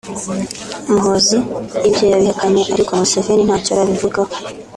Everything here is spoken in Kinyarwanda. Muhoozi ibyo yabihakanye ariko Museveni ntacyo arabivugaho